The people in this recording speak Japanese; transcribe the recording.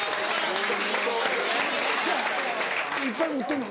いっぱい持ってんの？